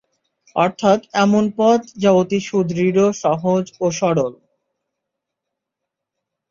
অর্থাৎ এমন পথ যা অতি সুদৃঢ়, সহজ ও সরল।